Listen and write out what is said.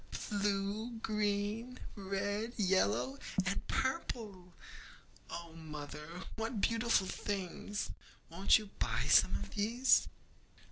blue, green, red, yellow, and purple! Oh, mother, what beautiful things! Won't you buy some of these?'